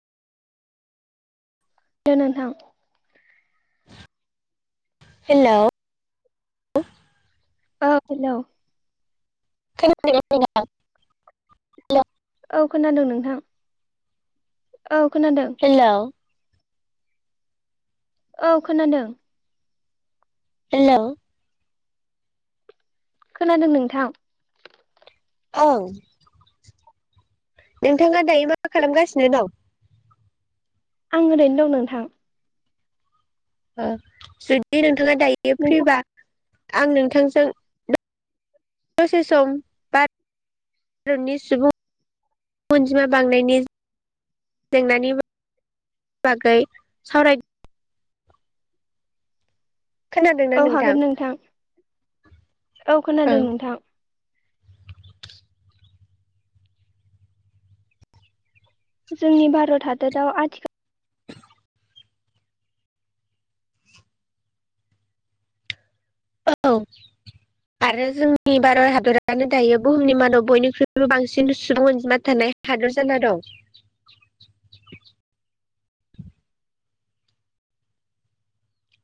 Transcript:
[unintelligible] नोंथां [inaudible] हेल' औ हेल' [unintelligible] औ खोनादों नोंथां। औ खोनादों। हेलौ औ खोनादों। हेलौ खोनादों नोंथां। औ। नोंथाङा दायो मा खालामगासिनो दं? आं ओरैनो दं नोंथां। ओ जुदि नों नोंथाङा दायो नोंथां फ्रिबा? आं नोंथांजों दसे सम भारतनि सुबुं अनजिमा बांनायनि जेंनानि बागै सावराय औ हागोन नोंथां औ खोनादों ओं नोंथां। जोंनि भारत हादराव आथिखाल [unintelligible] औ आरो जोंनि बारत हादरानो दायो बुहुमनि मादाव बयनिख्रुइबो बांसिन सुबुं अनजिमा थानाय हादर जाना दं।